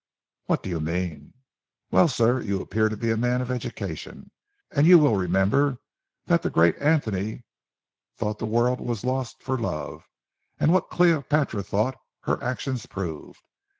"What do you mean?" "Well, sir, you appear to be a man of education, and you will remember that the great Antony thought the world well lost for love, and what Cleopatra thought, her actions proved.